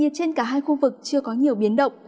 trong cơn rông và hai khu vực chưa có nhiều biến động